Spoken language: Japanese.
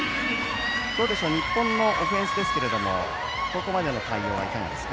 日本のオフェンスですけれどもここまでの対応はいかがですか？